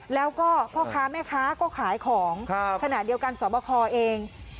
แล้วก็พ่อค้าแม่ค้าก็ขายของขณะเดียวกันสอบคอเอง